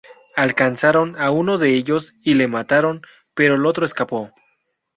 Alcanzaron a uno de ellos y le mataron, pero el otro escapó.